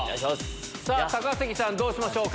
さあ、高杉さんどうしましょうか。